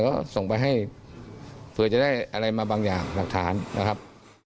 ก็ส่งไปให้เผื่อจะได้อะไรมาบางอย่างหลักฐานนะครับ